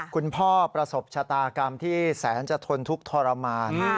คุณพ่อประสบชะตากรรมที่แสนจะทนทุกข์ทรมาน